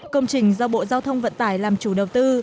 công trình do bộ giao thông vận tải làm chủ đầu tư